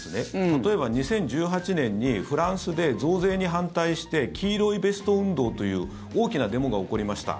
例えば、２０１８年にフランスで増税に反対して黄色いベスト運動という大きなデモが起こりました。